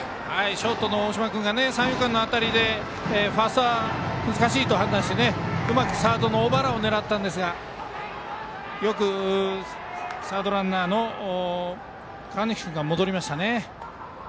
ショートの大島君が三遊間への当たりでファーストは難しいと判断してサードランナーのオーバーランを狙ったんですがよくサードランナーの河西君が戻りましたね。